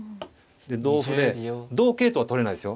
で同歩で同桂とは取れないですよ